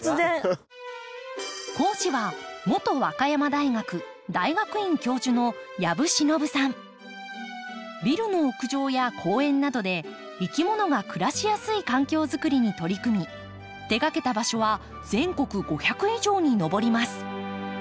講師は元和歌山大学大学院教授のビルの屋上や公園などでいきものが暮らしやすい環境づくりに取り組み手がけた場所は全国５００以上に上ります。